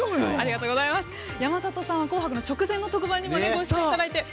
山里さんは「紅白」の直前の特番にもご出演いただいて。